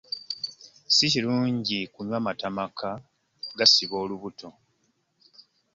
Si kirungi kunywa mata maka. Gasiba olubuto.